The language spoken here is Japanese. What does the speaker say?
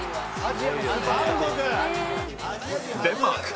「デンマーク」